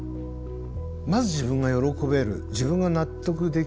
まず自分が喜べる自分が納得できる。